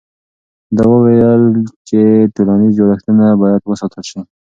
دوی وویل چې ټولنیز جوړښتونه باید وساتل سي.